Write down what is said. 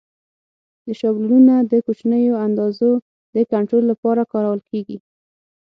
دا شابلونونه د کوچنیو اندازو د کنټرول لپاره کارول کېږي.